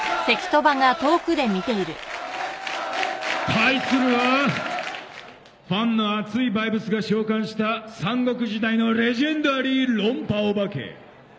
対するはファンの熱いバイブスが召喚した三国時代のレジェンダリー論破オバケ。